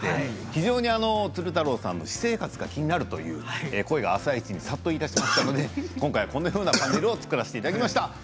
非常に鶴太郎さんの私生活が気になるという声が「あさイチ」に殺到いたしまして今回このようなものを作らせていただきました。